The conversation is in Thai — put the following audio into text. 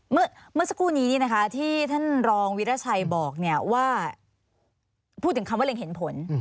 เมื่อสักครู่นี้ที่ท่านรองวิราชัยบอกว่าพูดถึงคำว่าเร็งเห็นผล